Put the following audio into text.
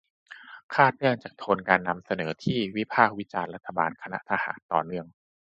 คาดเนื่องจากโทนการนำเสนอที่วิพากษ์วิจารณ์รัฐบาลคณะทหารต่อเนื่อง